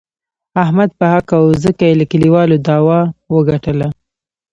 احمد په حقه و، ځکه یې له کلیوالو داوه و ګټله.